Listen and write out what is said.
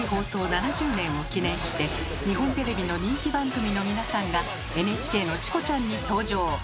７０年を記念して日本テレビの人気番組の皆さんがＮＨＫの「チコちゃん」に登場！